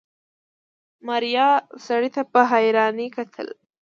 ماريا سړي ته په حيرانۍ کتل.